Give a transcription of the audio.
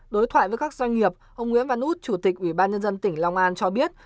đối thoại với các doanh nghiệp ông nguyễn văn út chủ tịch ubnd tỉnh long an cho biết